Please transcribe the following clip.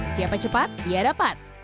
siapa cepat dia dapat